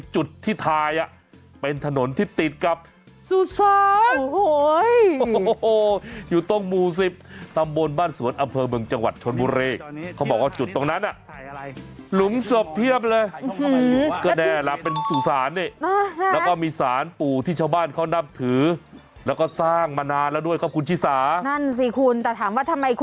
ใช้วิจารณาในการรับชมเถอะละกันนะจ๊ะ